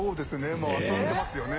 もう遊んでますよね。